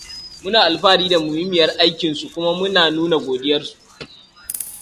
Muna alfahari da muhimmiyar aikin su kuma muna nuna godiyarsu.